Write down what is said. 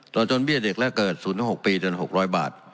จนเบี้ยเด็กและเกิด๐๖ปีจน๖๐๐บาท